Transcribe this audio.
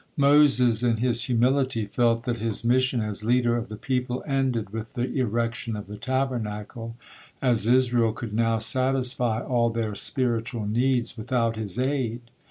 Moses in his humility felt that his mission as leader of the people ended with the erection of the Tabernacle, as Israel could now satisfy all their spiritual needs without his aid.